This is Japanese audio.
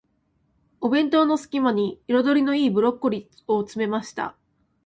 お弁当の隙間に、彩りの良いブロッコリーを詰めました。